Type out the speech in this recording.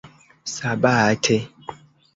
sabate